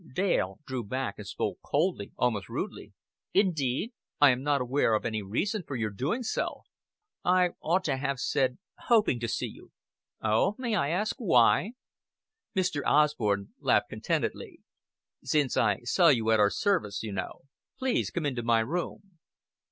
Dale drew back, and spoke coldly, almost rudely. "Indeed? I am not aware of any reason for your doing so." "I ought to have said, hoping to see you." "Oh. May I ask why?" Mr. Osborn laughed contentedly. "Since I saw you at our service, you know. Please come into my room."